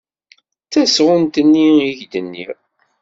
D tasɣunt-nni i k-d-nniɣ.